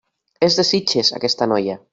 És de Sitges, aquesta noia.